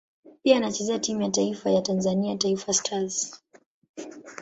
Pia anachezea timu ya taifa ya Tanzania Taifa Stars.